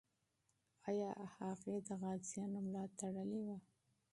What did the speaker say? آیا هغې د غازیانو ملا تړلې وه؟